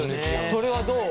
それはどう？